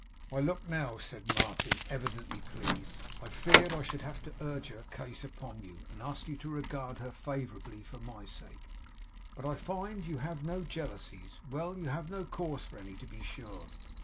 'Why, look now!' said Martin, evidently pleased; 'I feared I should have had to urge her case upon you, and ask you to regard her favourably for my sake. But I find you have no jealousies! Well! You have no cause for any, to be sure.